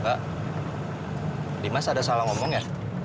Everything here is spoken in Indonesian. mbak di mas ada salah ngomong ya